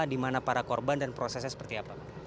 di mana para korban dan prosesnya seperti apa